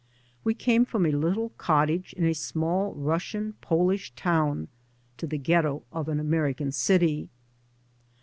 We came from a little cottage in a small Russian Polish town to the ghetto of an American city.